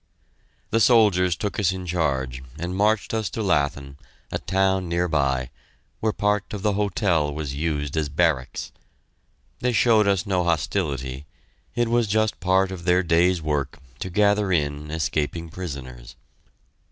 The soldiers took us in charge and marched us to Lathen, a town near by, where part of the hotel was used as barracks. They showed us no hostility; it was just part of their day's work to gather in escaping prisoners.